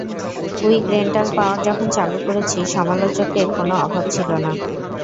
Quick rental power যখন চালু করেছি, সমালোচকের কোনো অভাব ছিল না।